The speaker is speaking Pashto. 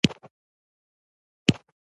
دا هغه مجرد صفتونه دي